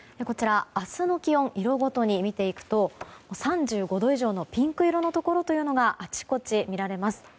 明日の気温、色ごとに見ていくと３５度以上のピンク色のところがあちこち見られます。